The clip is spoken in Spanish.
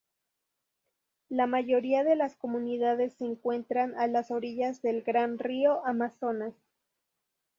La mayoría de las comunidades se encuentran a las orillas del gran río Amazonas.